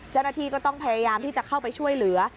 เจ้าหน้าที่ก็ต้องพยายามที่จะเข้าไปช่วยเหลือ